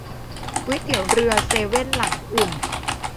ก๋วยเตี๋ยวเรือเซเว่นหลังอุ่น